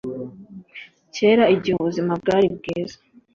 kera igihe ubuzima bwari bwiza